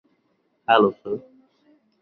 Hello, sir!